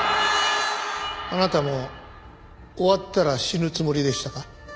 あなたも終わったら死ぬつもりでしたか？